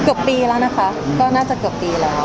เกือบปีแล้วนะคะก็น่าจะเกือบปีแล้ว